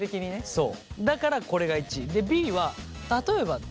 そう。